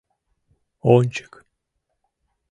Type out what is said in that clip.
— Ончык!